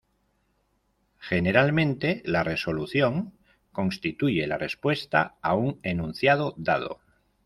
Generalmente, la resolución constituye la respuesta a un enunciado dado.